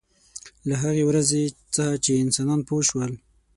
له هغې ورځې څخه چې انسانان پوه شول.